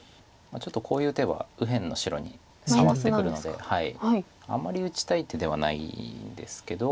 ちょっとこういう手は右辺の白にさわってくるのであんまり打ちたい手ではないんですけど。